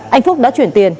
anh phúc đã chuyển tiền